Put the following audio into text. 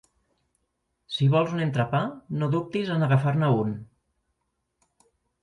Si vols un entrepà, no dubtis en agafar-ne un.